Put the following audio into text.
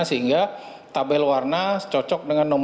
sehingga tabel warna cocok dengan nomor